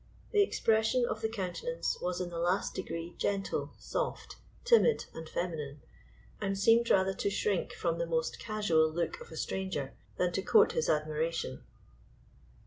The expression of the countenance was in the last degree gentle, soft, timid, and feminine, and seemed rather to shrink from the most casual look of a stranger than to court his admiration.